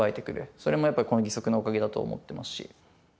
それもやっぱりこの義足のおかげだと思ってますし。